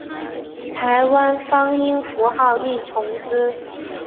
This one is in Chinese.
台湾方音符号亦从之。